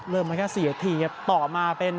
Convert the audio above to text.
เริ่มมาแค่๔ทีต่อมาเป็น